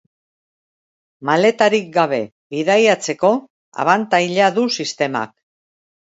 Maletarik gabe bidaiatzeko abantaila du sistemak.